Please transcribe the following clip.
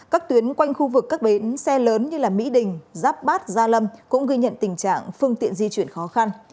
các tuyến quanh khu vực các bến xe lớn như mỹ đình giáp bát gia lâm cũng ghi nhận tình trạng phương tiện di chuyển khó khăn